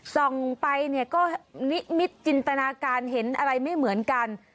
ส่องไปเนี่ยก็นิมิตจินตนาการเห็นอะไรไม่เหมือนกัน